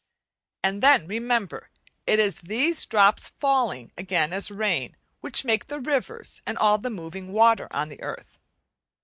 And then remember, it is these drops, falling again as rain, which make the rivers and all the moving water on the earth.